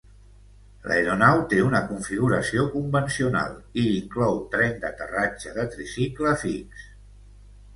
L'aeronau té una configuració convencional i hi inclou tren d'aterratge de tricicle fix.